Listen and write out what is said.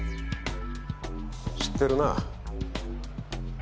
知ってるな？